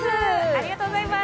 ありがとうございます。